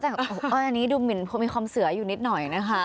เขาแต่งโอ้ยอันนี้ดูมีความเสืออยู่นิดหน่อยนะคะ